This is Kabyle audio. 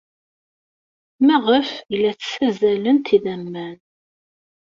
Maɣef ay la tessazzalemt idammen?